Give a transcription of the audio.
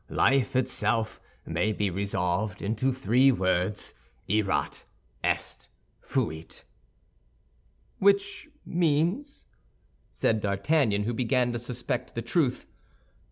Life itself may be resolved into three words: Erat, est, fuit." "Which means—" said D'Artagnan, who began to suspect the truth.